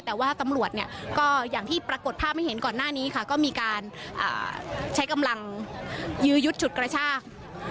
แต่ว่าตำรวจเนี่ยก็อย่างที่ปรากฏภาพให้เห็นก่อนหน้านี้ค่ะก็มีการใช้กำลังยื้อยุดฉุดกระชาก